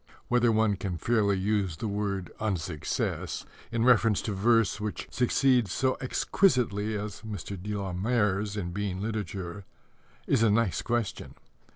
Whether one can fairly use the word "unsuccess" in reference to verse which succeeds so exquisitely as Mr. de la Mare's in being literature is a nice question.